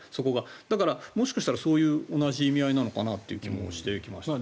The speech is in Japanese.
だからもしかしたら同じ意味合いなのかなという気はしてきましたね。